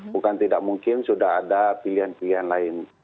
bukan tidak mungkin sudah ada pilihan pilihan lain